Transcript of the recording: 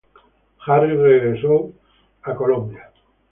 Harris regresó a los Estados Unidos.